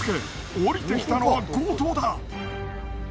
降りてきたのは強盗だ！